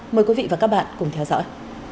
mời quý vị và các bạn cùng theo dõi